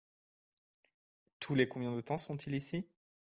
Tous les combien de temps sont-ils ici ?